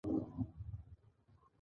ځانګړی کتابچې او دوسيې وویشل شول.